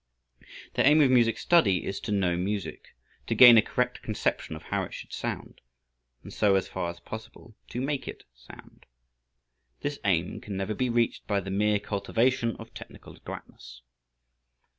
The aim of music study is to know music, to gain a correct conception of how it should sound, and so, as far as possible, to make it sound. This aim can never be reached by the mere cultivation of technical adroitness.